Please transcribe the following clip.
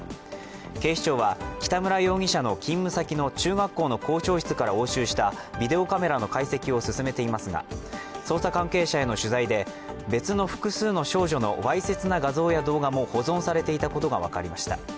警視庁は北村容疑者の勤務先の中学校の校長室から押収したビデオカメラの解析を進めていますが、捜査関係者への取材で、別の複数の少女のわいせつな画像や動画も保存されていたことが分かりました。